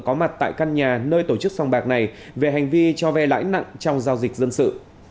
có mặt tại căn nhà nơi tổ chức song bạc này về hành vi cho vay lãi nặng trong giao dịch dân sự